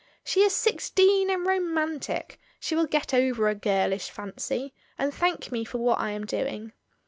She is sixteen and romantic; she will get over a girlish fancy, and thank me for what I am doing.